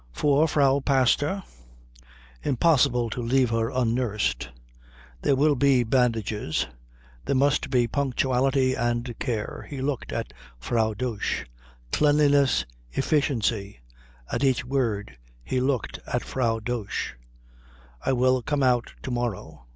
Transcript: For Frau Pastor. Impossible to leave her unnursed. There will be bandages. There must be punctuality and care" he looked at Frau Dosch "cleanliness, efficiency" at each word he looked at Frau Dosch. "I will come out to morrow.